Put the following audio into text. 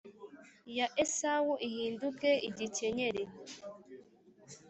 ya Esawu ihinduke igikenyeri